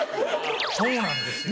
そうなんですよ。